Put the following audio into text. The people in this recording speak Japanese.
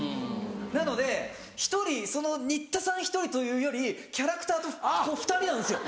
なので１人新田さん１人というよりキャラクターとこう２人なんですよ！